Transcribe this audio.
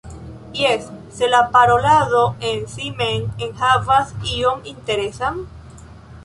Jes, se la parolado en si mem enhavas ion interesan?